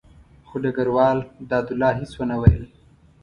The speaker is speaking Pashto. خو ډګروال دادالله هېڅ ونه ویل.